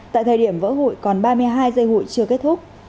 tại thời điểm vỡ hụi còn ba mươi hai giây hụi chưa kết thúc